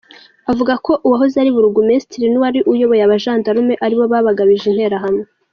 Avuga ko uwahoze ari Burugumesitiri n’uwari uyoboye abajandarume ari bo babagabije Interahamwe.